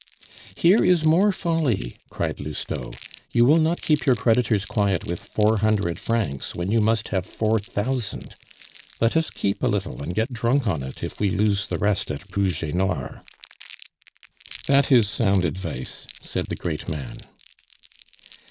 "Here is more folly!" cried Lousteau. "You will not keep your creditors quiet with four hundred francs when you must have four thousand. Let us keep a little and get drunk on it, if we lose the rest at rouge et noir." "That is sound advice," said the great man.